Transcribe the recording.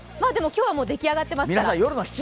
今日はもう出来上がっていますから。